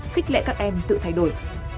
khích lệ các em tự thay đổi